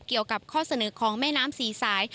เกี่ยวกับข้อเสนอของแม่น้ำสี่สาย